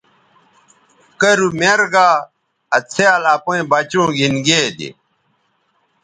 کرُو میر گا آ څھیال اپئیں بچوں گھِن گے دے۔